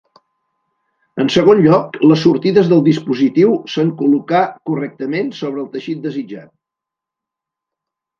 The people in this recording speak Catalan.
En segon lloc, les sortides del dispositiu s'han col·locar correctament sobre el teixit desitjat.